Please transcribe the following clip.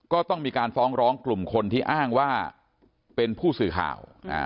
ก็ต้องมีการฟ้องร้องกลุ่มคนที่อ้างว่าเป็นผู้สื่อข่าว